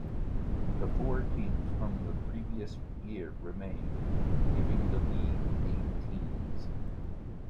The four teams from the previous year remained, giving the league eight teams.